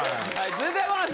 続いてはこの人！